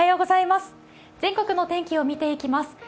全国の天気を見ていきます。